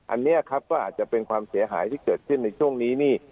อันนี้ครับก็อาจจะเป็นความเสียหายที่เกิดขึ้นในช่วงนี้นี่